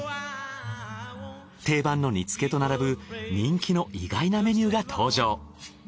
定番の煮つけと並ぶ人気の意外なメニューが登場。